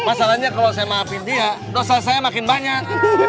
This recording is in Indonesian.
masalahnya kalau saya maafin dia dosa saya makin banyak